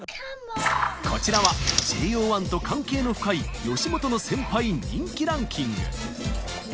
こちらはＪＯ１と関係の深い吉本の先輩人気ランキング。